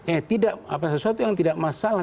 eh tidak apa sesuatu yang tidak masalah